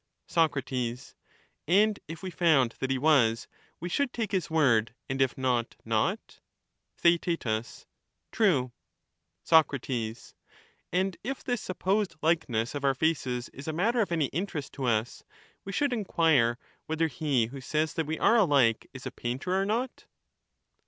Soc, And if we found that he was, we should take his word ; and if not, not ? Theaet. True. Soc, And if this supposed likeness of our faces is a matter of any interest to us, we should enquire whether he who says that we are alike is a painter or not